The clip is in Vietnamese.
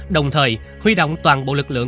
đồng thời huy động toàn bộ lực lượng